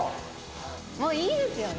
もういいですよね